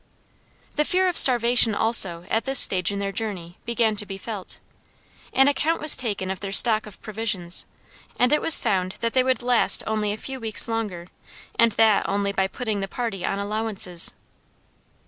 The fear of starvation, also, at this stage in their journey, began to be felt. An account was taken of their stock of provisions, and it was found that they would last only a few weeks longer, and that only by putting the party on allowances.